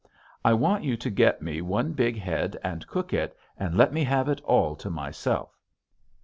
I want you to get me one big head and cook it and let me have it all to myself!"